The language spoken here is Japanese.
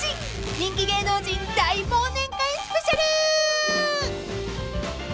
［人気芸能人大忘年会スペシャル！］